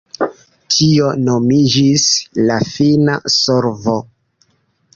Tio nomiĝis “la fina solvo”.